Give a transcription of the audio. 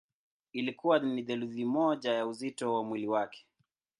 Ilikuwa ni theluthi moja ya uzito wa mwili wake.